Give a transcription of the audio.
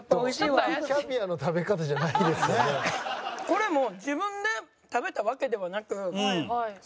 これも自分で食べたわけではなく。